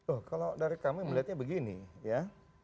oh kalau dari kami melihatnya begini ya